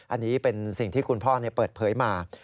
อันนี้เป็นสิ่งที่คุณพ่อเปิดเผยมา